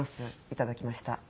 いただきました。